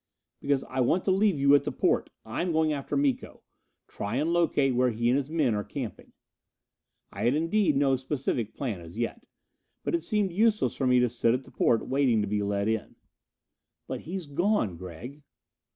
"Because I want to leave you at the porte. I'm going after Miko try and locate where he and his men are camping." I had indeed no specific plan as yet. But it seemed useless for me to sit at the porte waiting to be let in. "But he's gone, Gregg."